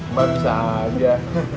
mbak bisa aja